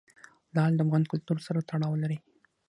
لعل د افغان کلتور سره تړاو لري.